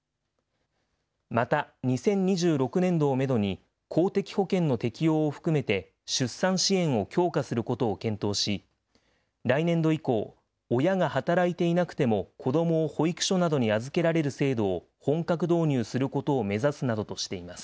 また、２０２６年度をメドに、公的保険の適用を含めて出産支援を強化することを検討し、来年度以降、親が働いていなくても子どもを保育所などに預けられる制度を、本格導入することを目指すなどとしています。